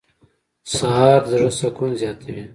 سهار د زړه سکون زیاتوي.